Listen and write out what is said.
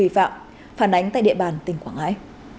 phản ánh tại địa bàn tỉnh quảng ngãi